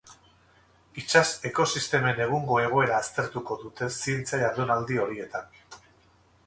Itsas ekosistemen egungo egoera aztertuko dute zientzia jardunaldi horietan.